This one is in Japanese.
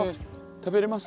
食べれます？